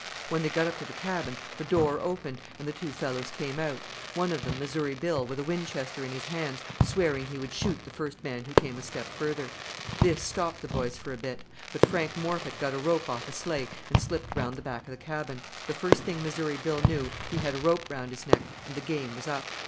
When they got up to the cabin the door opened and the two fellows came out; one of them, Missouri Bill, with a Winchester in his hands, swearing he would shoot the first man who came a step further. This stopped the boys for a bit; but Frank Morphet got a rope off a sleigh and slipped round back of the cabin. The first thing Missouri Bill knew he had a rope round his neck and the game was up!